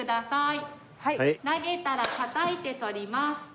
投げたらたたいて捕ります。